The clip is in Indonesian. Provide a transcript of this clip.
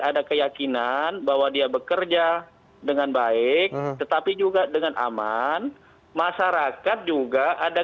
ada keyakinan bahwa dia bekerja dengan baik tetapi juga dengan aman masyarakat juga ada